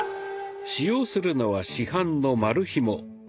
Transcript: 使用するのは市販の丸ひも。